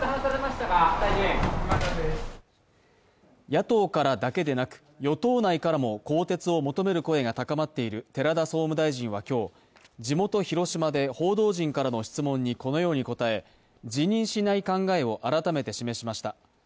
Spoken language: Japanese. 野党からだけでなく、与党内からも更迭を求める声が高まっている寺田総務大臣は今日、地元・広島で報道陣からの質問にこのように答え、辞任しない考えを改めて示しました。